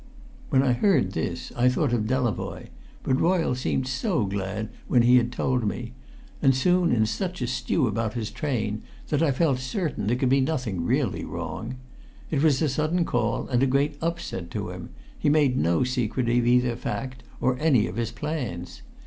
When I heard this I thought of Delavoye; but Royle seemed so glad when he had told me, and soon in such a stew about his train, that I felt certain there could be nothing really wrong. It was a sudden call, and a great upset to him; he made no secret of either fact or any of his plans.